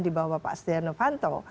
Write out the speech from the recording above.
di bawah pak stiano vanto